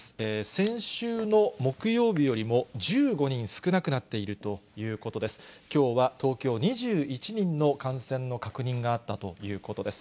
先週の木曜日よりも１５人少なくなっているということです。